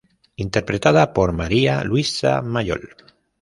Interpretada por María Luisa Mayol.